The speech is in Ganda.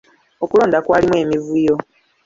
Okulonda kwalimu emivuyo.